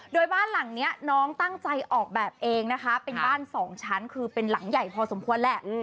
โดยบ้านหลังนี้น้องตั้งใจออกแบบเองนะคะเป็นบ้านสองชั้นคือเป็นหลังใหญ่พอสมควรแหละ